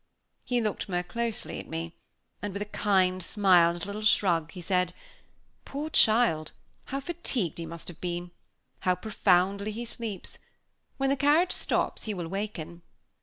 He looked more closely at me, and with a kind smile, and a little shrug, he said, "Poor child! how fatigued he must have been how profoundly he sleeps! when the carriage stops he will waken."